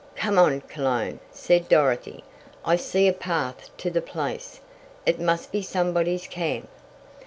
"Come on, Cologne," said Dorothy. "I see a path to the place. It must be somebody's camp."